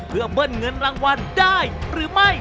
เพื่อเบิ้ลเงินรางวัลได้หรือไม่